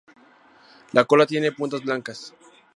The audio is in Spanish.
La cola tiene puntas blancas.